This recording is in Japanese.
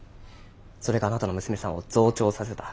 それがあなたの娘さんを増長させた。